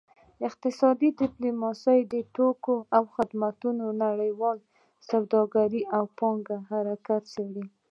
اقتصادي ډیپلوماسي د توکو او خدماتو نړیواله سوداګرۍ او پانګې حرکت څیړي